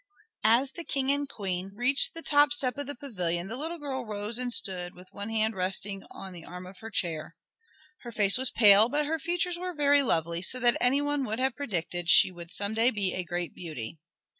As the King and Queen reached the top step of the pavilion the little girl rose and stood with one hand resting on the arm of her chair. Her face was pale, but her features were very lovely, so that any one would have predicted she would some day be a great beauty.